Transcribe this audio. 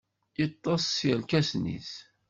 Yeṭṭes s yirkasen-is.